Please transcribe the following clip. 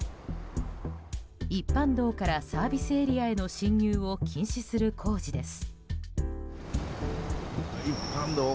一般道からサービスエリアへの進入を禁止する工事です。